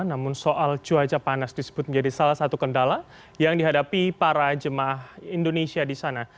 namun soal cuaca panas disebut menjadi salah satu kendala yang dihadapi para jemaah indonesia di sana